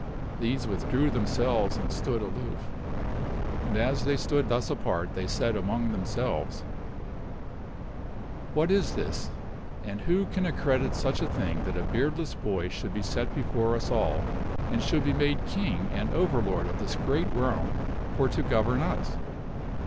These withdrew themselves and stood aloof; and as they stood 34 THE WINNING OF KINGHOOD thus apart, they said among themselves: " What is this and who can accredit such a thing that a beardless boy should be set before us all and should Several of the ^ e ma ^ e King and overlord of this great realm for to govern king* and dukes us.